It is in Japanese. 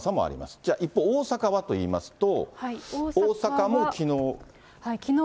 じゃあ、一方、大阪はといいますと、大阪もきのう。